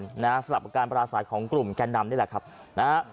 สำหรับการปราศัยของกลุ่มแก่นำนี่แหละครับนะฮะ